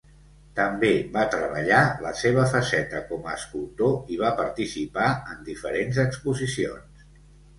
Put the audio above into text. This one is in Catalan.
També va treballar la seva faceta com a escultor i va participar en diferents exposicions.